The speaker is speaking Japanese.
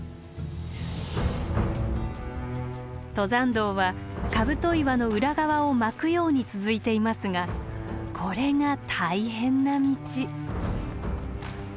登山道は兜岩の裏側を巻くように続いていますがこれが大変な道。